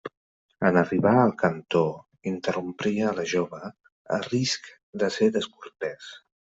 En arribar al cantó, interrompria la jove, a risc de ser descortès.